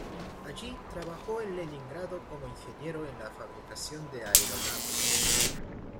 Allí trabajó en Leningrado como ingeniero en la fabricación de aeronaves.